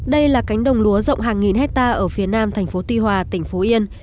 đây là cánh đồng lúa rộng hàng nghìn hectare ở phía nam tp tuy hòa tỉnh phú yên